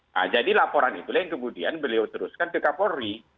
nah jadi laporan itulah yang kemudian beliau teruskan ke kapolri